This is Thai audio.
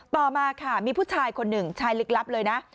ต่อมาค่ะมีผู้ชายคนหนึ่งชายลึกลับเลยนะ